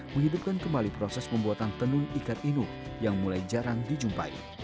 menghidupkan kembali proses pembuatan tenun ikat inuh yang mulai jarang dijumpai